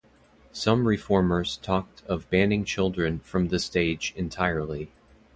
Some reformers talked of banning children from the stage entirely.